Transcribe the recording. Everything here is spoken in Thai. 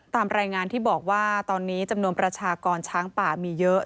ตามรายงานที่บอกว่าตอนนี้จำนวนประชากรช้างป่ามีเยอะ